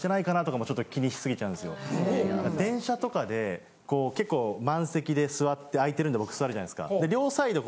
電車とかでこう結構満席で座って空いてるんで僕座るじゃないですか。